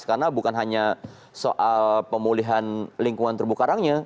karena bukan hanya soal pemulihan lingkungan terumbu karangnya